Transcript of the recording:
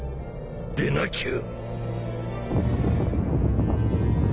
でなきゃ。